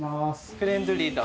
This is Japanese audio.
フレンドリーだ。